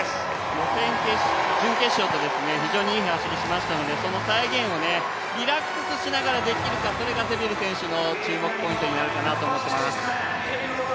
予選、準決勝といい走りをしましたので、その再現をリラックスしながらできるか、それがセビル選手の注目ポイントになるかなと思っています。